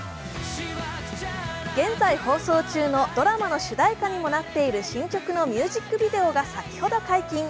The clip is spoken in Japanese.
現在放送中のドラマの主題歌にもなっている新曲のミュージックビデオが先ほど解禁。